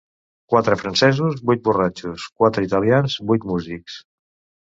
Quatre francesos, vuit borratxos; quatre italians, vuit músics.